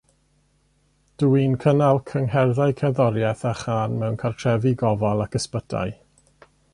Dw i'n cynnal cyngherddau cerddoriaeth a chân mewn cartrefi gofal ac ysbytai